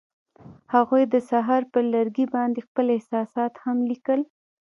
هغوی د سهار پر لرګي باندې خپل احساسات هم لیکل.